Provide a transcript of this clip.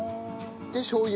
でしょう油？